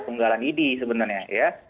ke tunggalan idi sebenarnya ya